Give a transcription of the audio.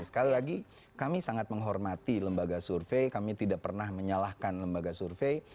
sekali lagi kami sangat menghormati lembaga survei kami tidak pernah menyalahkan lembaga survei